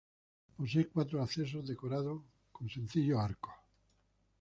Posee cuatro accesos decorado con sencillos arcos.